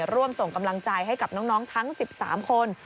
ร่วมส่งกำลังใจให้กับน้องทั้ง๑๓คน